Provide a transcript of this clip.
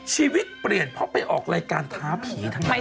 ชีวิตเปลี่ยนเพราะไปออกรายการท้าผีทั้งนั้น